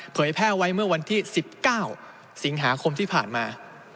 แพร่ไว้เมื่อวันที่๑๙สิงหาคมที่ผ่านมา